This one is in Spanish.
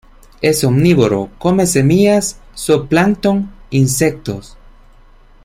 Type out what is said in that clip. Es omnívoro: come semillas, zooplancton, insectos.